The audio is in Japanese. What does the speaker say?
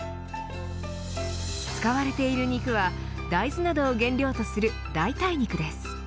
使われている肉は大豆などを原料とする代替肉です。